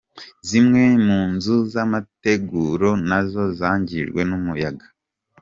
Zimwe mu nzu z’amategura na zo zangijwe n’umuyaga.